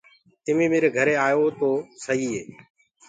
تمينٚ ميري گھري آيو تو سئي۔